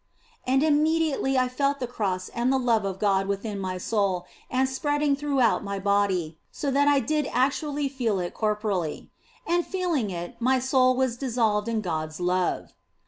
And immediately I felt the Cross and the love of God within my soul and spreading throughout my body, so that I did actually feel it corporally ; and feeling it, my soul was dissolved in God s love.